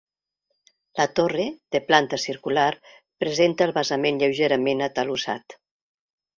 La torre, de planta circular, presenta el basament lleugerament atalussat.